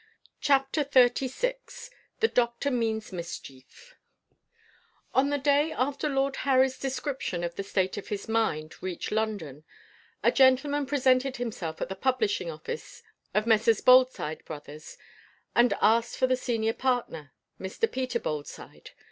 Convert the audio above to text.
CHAPTER XXXVI THE DOCTOR MEANS MISCHIEF ON the day after Lord Harry's description of the state of his mind reached London, a gentleman presented himself at the publishing office of Messrs. Boldside Brothers, and asked for the senior partner, Mr. Peter Boldside.